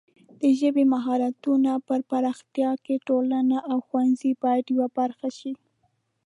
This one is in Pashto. د ژبې د مهارتونو پر پراختیا کې ټولنه او ښوونځي باید یوه برخه شي.